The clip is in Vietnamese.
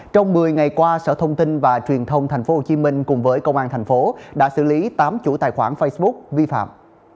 trong một mươi ngày qua sở thông tin và truyền thông tp hcm cùng với công an tp hcm đã xử lý tám chủ tài khoản facebook vi phạm